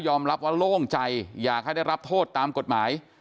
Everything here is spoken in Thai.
รับว่าโล่งใจอยากให้ได้รับโทษตามกฎหมาย